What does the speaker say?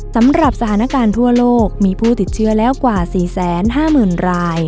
สำหรับสถานการณ์ทั่วโลกมีผู้ติดเชื้อแล้วกว่า๔๕๐๐๐ราย